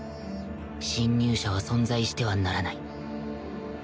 侵入者は存在してはならない